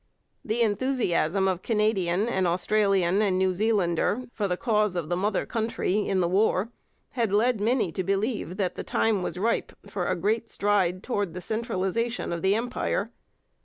The enthusiasm of Canadian and Australian and New Zealander for the cause of the mother country in the war had led many to believe that the time was ripe for a great stride toward the centralization of the Empire.